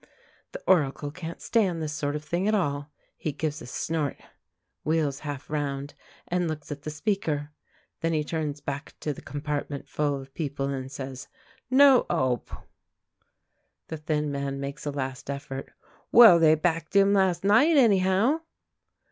The Oracle can't stand this sort of thing at all. He gives a snort, wheels half round and looks at the speaker. Then he turns back to the compartment full of people, and says: "No 'ope." The thin man makes a last effort. "Well, they backed him last night, anyhow."